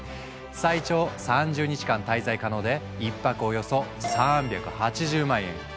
最長３０日間滞在可能で１泊およそ３８０万円。